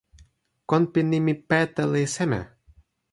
kon pi nimi "peta" li seme?